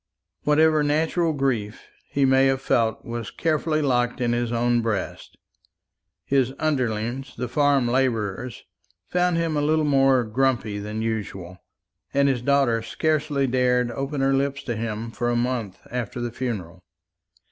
Whatever natural grief he may have felt was carefully locked in his own breast. His underlings, the farm labourers, found him a little more "grumpy" than usual, and his daughter scarcely dared open her lips to him for a month after the funeral.